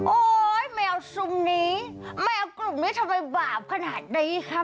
โอ๊ยไม่เอาซุมนี้ไม่เอากลุ่มนี้ทำให้บาปขนาดนี้ค่ะ